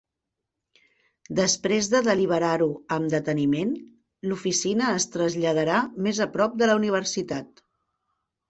Després de deliberar-ho amb deteniment, l'oficina es traslladarà més a prop de la universitat.